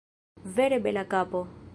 Vere bela kapo.